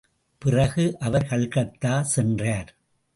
பிறகு, அவர் கல்கத்தா சென்றார்.